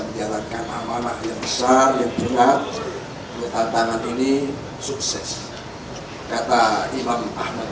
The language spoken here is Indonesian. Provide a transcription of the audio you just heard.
menjalankan amanah yang besar yang berat tantangan ini sukses kata imam ahmad